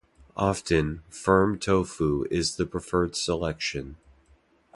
Often, firm tofu is the preferred selection.